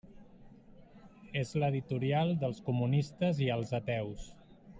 És l'editorial dels comunistes i els ateus.